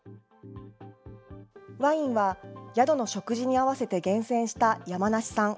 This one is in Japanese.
ワインは宿の食事に合わせて厳選した山梨産。